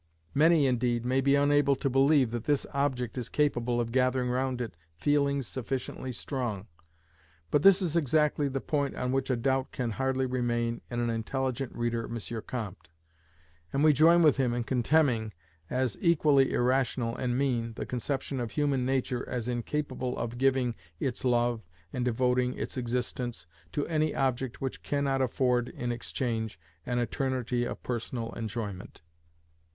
Many, indeed, may be unable to believe that this object is capable of gathering round it feelings sufficiently strong: but this is exactly the point on which a doubt can hardly remain in an intelligent reader of M. Comte: and we join with him in contemning, as equally irrational and mean, the conception of human nature as incapable of giving its love and devoting its existence to any object which cannot afford in exchange an eternity of personal enjoyment.